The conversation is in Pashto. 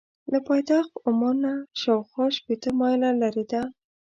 له پایتخت عمان نه شاخوا شپېته مایله لرې ده.